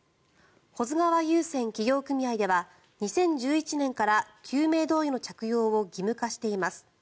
保津川遊船企業組合では２０１１年から救命胴衣の着用を義務化しています。